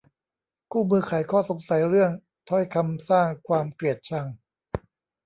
คู่มือไขข้อสงสัยเรื่อง ถ้อยคำสร้างความเกลียดชัง